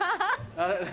あれ？